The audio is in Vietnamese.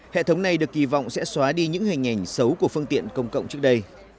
hệ thống này được kỳ vọng sẽ xóa đi những hình ảnh xấu của phương tiện công cộng trước đây